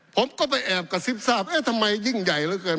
ผมก็ไปแอบกระซิบทราบเอ๊ะทำไมยิ่งใหญ่เหลือเกิน